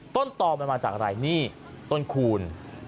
ตอมันมาจากอะไรนี่ต้นคูณ